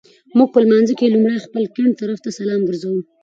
مونږ په لمانځه کي لومړی خپل ګېڼ طرفته سلام ګرځوو